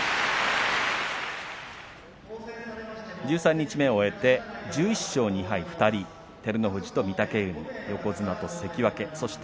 十三日目を終えて１１勝２敗、２人照ノ富士と御嶽海横綱と関脇です。